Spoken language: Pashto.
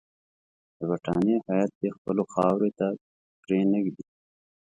د برټانیې هیات دي خپلو خاورې ته پرې نه ږدي.